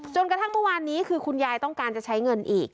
จนกระทั่งเมื่อวานนี้คือคุณยายต้องการจะใช้เงินอีก